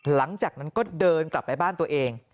หลังจากนั้นก็เดินกลับไปบ้านตัวเอง